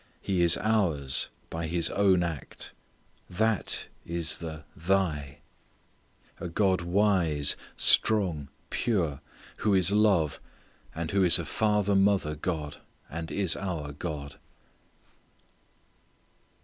He is ours, by His own act. That is the "Thy" a God wise, strong, pure, who is love, and who is a Father mother God, and is our God.